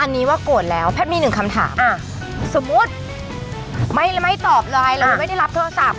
อันนี้ว่าโกรธแล้วแพทย์มีหนึ่งคำถามสมมุติไม่ตอบไลน์เราไม่ได้รับโทรศัพท์